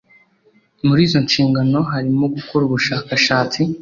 muri izo nshingano harimo gukora ubushakashatsi